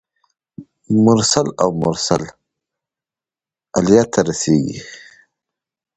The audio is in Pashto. مرسل او مرسل الیه ته رسیږي.